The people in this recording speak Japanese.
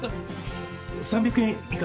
３００円以下。